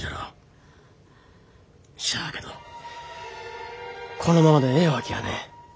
しゃあけどこのままでええわきゃあねえ。